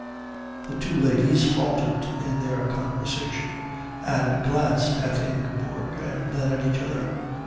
The two ladies faltered in their conversation, and glanced at Ingeborg, and then at each other.